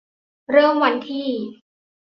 เริ่มวันที่